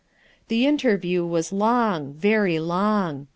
The interview was long, very long.